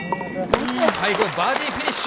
最後バーディーフィニッシュ。